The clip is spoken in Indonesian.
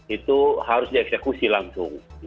itu harus dieksekusi langsung